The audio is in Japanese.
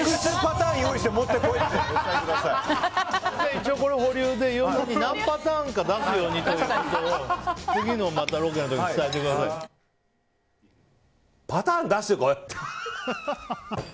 一応これ保留で何パターンか出すようにということを次のロケでパターン出してこい？